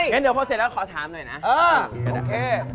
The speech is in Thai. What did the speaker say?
งั้นเดี๋ยวพอเสร็จแล้วขอถามหน่อยนะโอเค